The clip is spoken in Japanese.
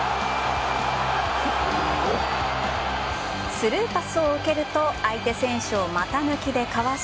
スルーパスを受けると相手選手を股抜きでかわし